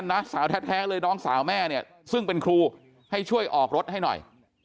น้าสาวแท้เลยน้องสาวแม่เนี่ยซึ่งเป็นครูให้ช่วยออกรถให้หน่อย